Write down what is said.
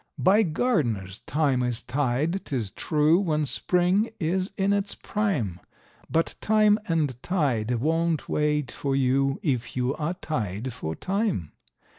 By gardeners thyme is tied, 'tis true, when spring is in its prime; But time and tide won't wait for you if you are tied for time.